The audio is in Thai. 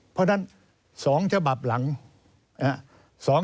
เพราะฉะนั้น๒ฉบับหลัง